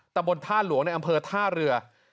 บนท่าหลวงในอำเภอท่าเรือ